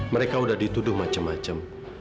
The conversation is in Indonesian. mereka sudah dituduh macam macam